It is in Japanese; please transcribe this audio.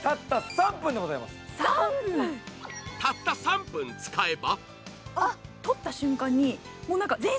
たった３分使えば。